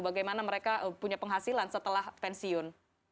bagaimana mereka punya penghasilan setelah pensiun